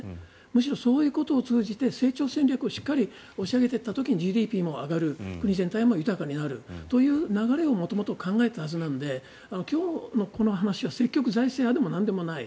むしろ、そういうことを通じて成長戦略をしっかり押し上げた時にＧＤＰも上がる国全体も豊かになるという流れを元々考えていたはずなので今日のこの話は積極財政派でもなんでもない。